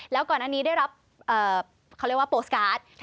แล้วก่อนอันนี้ได้รับเขาเรียกว่าโปรสการ์ด